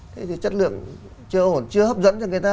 thế thì chất lượng chưa hấp dẫn cho người ta